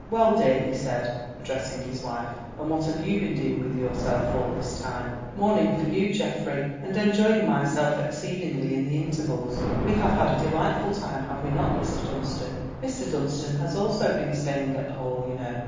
"Well, dear," he said, addressing his wife, "and what have you been doing with yourself all this time?" "Mourning for you, Geoffrey, and enjoying myself exceedingly in the intervals. We have had a delightful time, have we not, Mr. Dunstan? Mr. Dunstan has also been staying at the Hall, you know."